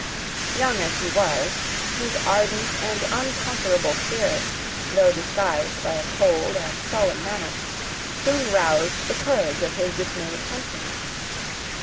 Young as he was, his ardent and unconquerable spirit, though disguised by a cold and sullen manner, soon roused the courage of his dismayed countrymen.